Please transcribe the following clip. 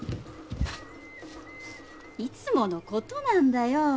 いつもの事なんだよ。